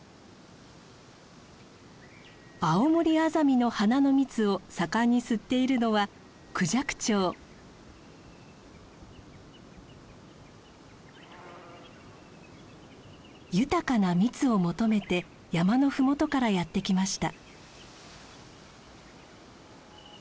アオモリアザミの花の蜜を盛んに吸っているのは豊かな蜜を求めて山の麓からやって来ました。